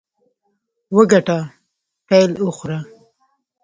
وګټه، پیل وخوره.